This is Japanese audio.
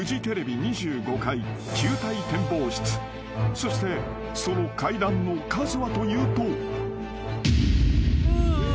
［そしてその階段の数はというと］